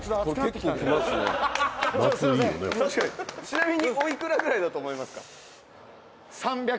「ちなみにおいくらぐらいだと思いますか？」